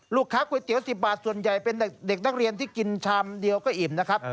ก๋วยเตี๋ยว๑๐บาทส่วนใหญ่เป็นเด็กนักเรียนที่กินชามเดียวก็อิ่มนะครับ